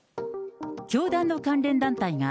教団の関連団体が、